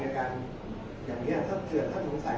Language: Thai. แต่ว่าไม่มีปรากฏว่าถ้าเกิดคนให้ยาที่๓๑